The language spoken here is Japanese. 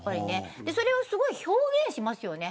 それをすごい表現しますよね。